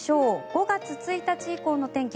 ５月１日以降の天気